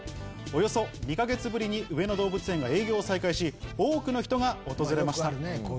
およそ２か月ぶりに上野動物園が営業を再開し多くの人が訪れました。